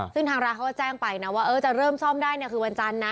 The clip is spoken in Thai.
ซึ่งทางร้านเขาก็แจ้งไปนะว่าจะเริ่มซ่อมได้เนี่ยคือวันจันทร์นะ